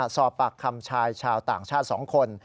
สอบปากคำชายชาวต่างชาติ๒คน